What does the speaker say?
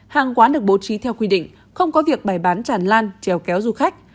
hàng quán được bố trí theo quy định không có việc bài bán tràn lan treo kéo du khách